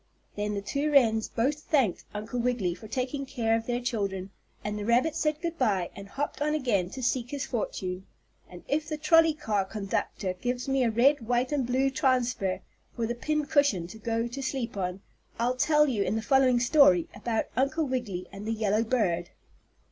Then the two wrens both thanked Uncle Wiggily for taking care of their children, and the rabbit said good by and hopped on again to seek his fortune. And if the trolley car conductor gives me a red, white and blue transfer, for the pin cushion to go to sleep on, I'll tell you in the following story about Uncle Wiggily and the yellow bird.